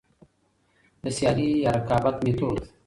د سيالي يا رقابت ميتود: